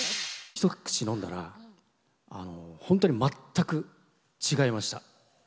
ひと口飲んだら全く違いました。